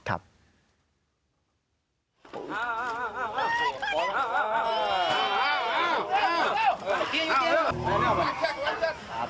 อกลับของขวัญด้วย